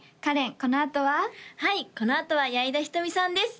このあとははいこのあとは矢井田瞳さんです